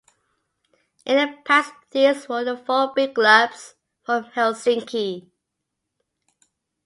In the past these were the four big clubs from Helsinki.